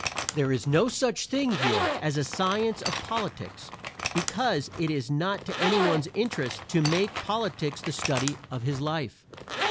There is no such thing here as a science of politics, because it is not to any one's interest to make politics the study of his life.